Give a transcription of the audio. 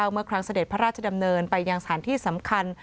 เมื่อครั้งเสด็จพระราชดำเนินไปยังสถานที่สำคัญ